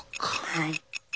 はい。